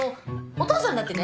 お父さんだってね